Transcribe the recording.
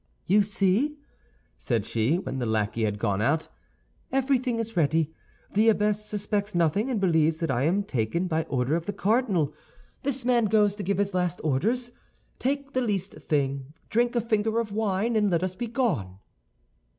"You see," said she, when the lackey had gone out, "everything is ready. The abbess suspects nothing, and believes that I am taken by order of the cardinal. This man goes to give his last orders; take the least thing, drink a finger of wine, and let us be gone."